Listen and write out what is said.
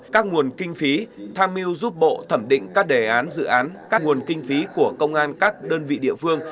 các nguồn kinh phí tham mưu giúp bộ thẩm định các đề án dự án các nguồn kinh phí của công an các đơn vị địa phương